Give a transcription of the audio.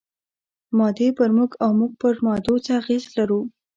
مادې پر موږ او موږ پر مادو څه اغېز لرو؟